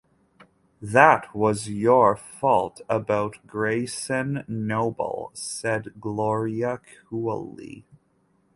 "That was your fault about Grayson Noble," said Gloria coolly.